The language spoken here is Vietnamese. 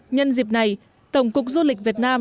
nhân dịp này tổng cục du lịch việt nam